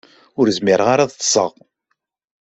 Ur zmireɣ ara ad ṭṭseɣ.